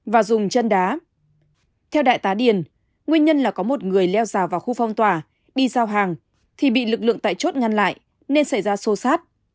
và dùng chân đá theo đại tá điền nguyên nhân là có một người leo rào vào khu phong tỏa đi giao hàng thì bị lực lượng tại chốt ngăn lại nên xảy ra xô xát